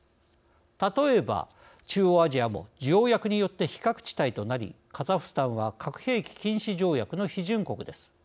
例えば中央アジアも条約によって非核地帯となりカザフスタンは核兵器禁止条約の批准国です。